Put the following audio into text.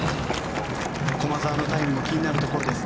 駒澤のタイムも気になるところです。